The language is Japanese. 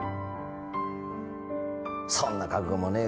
そんな覚悟もねえ